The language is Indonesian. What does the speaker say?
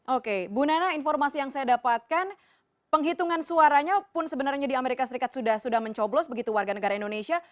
oke bu nana informasi yang saya dapatkan penghitungan suaranya pun sebenarnya di amerika serikat sudah mencoblos begitu warga negara indonesia